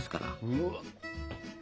うわっ！